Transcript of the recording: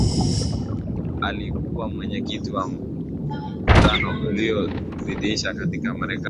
Alikuwa mwenyekiti wa mkutano ulioidhinisha katiba ya Marekani